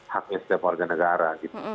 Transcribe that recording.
haknya setiap warga negara